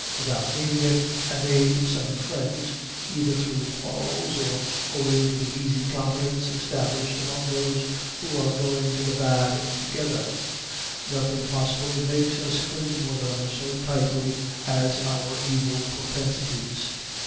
Without meaning it, I made some friends, either through quarrels or owing to the easy confidence established among those who are going to the bad together; nothing, possibly, makes us cling to one another so tightly as our evil propensities.